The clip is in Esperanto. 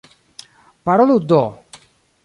Parolu do!